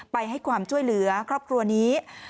ไปให้ความช่วยเหลือครอบครัวนี้